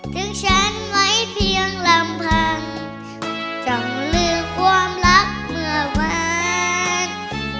ถึงฉันไว้เพียงลำพังต้องลืมความรักเมื่อวาน